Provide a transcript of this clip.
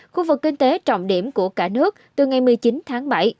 khu vực kinh tế trọng điểm của cả nước từ ngày một mươi chín tháng bảy